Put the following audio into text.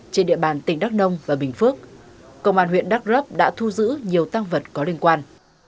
trên địa bàn tỉnh đắk nông và bình phước công an huyện đắk lấp đã thu giữ nhiều tăng vật có liên quan